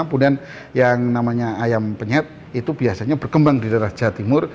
kemudian yang namanya ayam penyet itu biasanya berkembang di daerah jawa timur